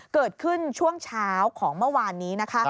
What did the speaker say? เกิดขึ้นช่วงเช้าของเมื่อวานนี้นะคะ